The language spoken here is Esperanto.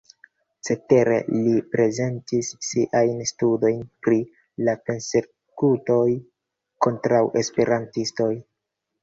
Cetere li prezentis siajn studojn pri la persekutoj kontraŭ esperantistoj.